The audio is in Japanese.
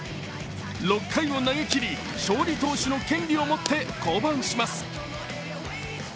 ６回を投げ切り勝利投手の権利を持って降板します。